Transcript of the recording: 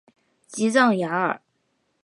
吉藏雅尔。